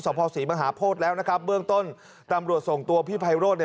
ภศรีมหาโพธิแล้วนะครับเบื้องต้นตำรวจส่งตัวพี่ไพโรธ